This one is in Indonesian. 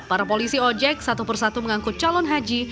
para polisi ojek satu persatu mengangkut calon haji